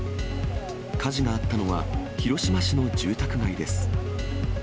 火事があったのは、広島市の住宅街です。